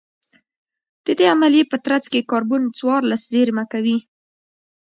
د دې عملیې په ترڅ کې کاربن څوارلس زېرمه کوي